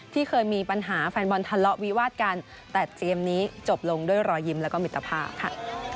ที่เคยมีปัญหาแฟนบอลทะเลาะวิวาดกันแต่เกมนี้จบลงด้วยรอยยิ้มแล้วก็มิตรภาพค่ะ